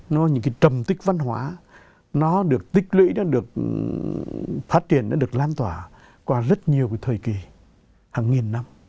nó là những cái trầm tích văn hóa nó được tích lũy nó được phát triển nó được lan tỏa qua rất nhiều thời kỳ hàng nghìn năm